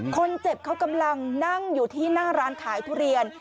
คนเจ็บเขากำลังนั่งอยู่ที่หน้าร้านขายทุเรียน